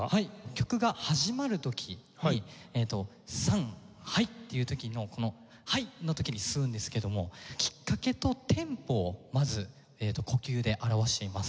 曲が始まる時に「さんはい」っていう時のこの「はい」の時に吸うんですけどもきっかけとテンポをまず呼吸で表します。